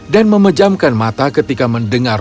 dan memejamkan mata ketika mendengar